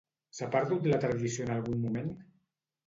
S'ha perdut la tradició en algun moment?